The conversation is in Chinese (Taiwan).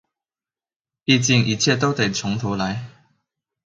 畢竟一切都得從頭來